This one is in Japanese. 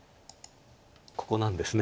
ここなんですね。